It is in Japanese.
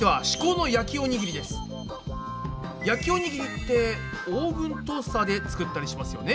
焼きおにぎりってオーブントースターで作ったりしますよね。